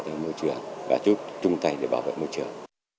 vào môi trường và giúp chúng ta để bảo vệ môi trường